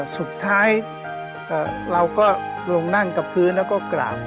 สุดท้ายเราก็ลงนั่งกับพื้นแล้วก็กล่าว